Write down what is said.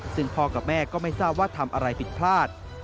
ซึ่งพ่อกับแม่ก็ไม่ทราบว่าทำอะไรผิดพลาด